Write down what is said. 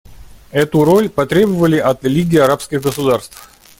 Эту роль потребовали от Лиги арабских государств.